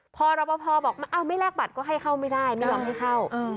พอรับประพอบอกไม่แลกบัตรก็ให้เข้าไม่ได้ไม่ยอมให้เข้า